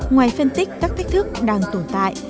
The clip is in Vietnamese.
ngoài phân tích các thách thức đang tồn tại